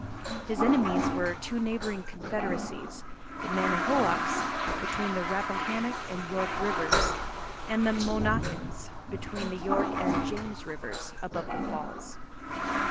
His enemies were two neighbouring confederacies, the Mannahoacs, between the Rappahannock and York rivers, and the Monacans between the York and James rivers, above the falls.